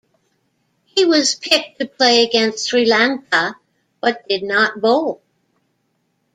He was picked to play against Sri Lanka but did not bowl.